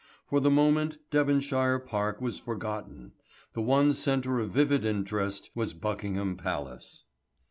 For the moment Devonshire Park was forgotten. The one centre of vivid interest was Buckingham Palace.